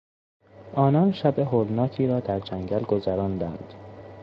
آنان شب هولناکی را در جنگل گذراندند.